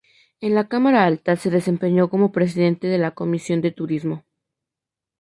En la cámara alta se desempeñó como Presidente de la Comisión de Turismo.